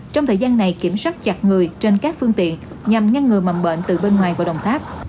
trong thời gian này kiểm soát chặt người trên các phương tiện nhằm ngăn ngừa mầm bệnh từ bên ngoài vào đồng tháp